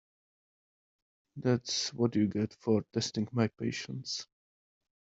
That’s what you get for testing my patience.